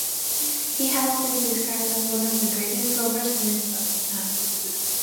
He has been described as one of the greatest silversmiths of his time.